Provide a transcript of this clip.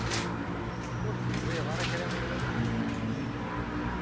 Ur tmeẓẓiyeḍ ara kra i waya?